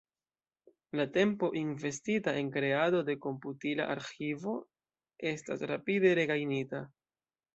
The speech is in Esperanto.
La tempo investita en kreado de komputila arĥivo estas rapide regajnita.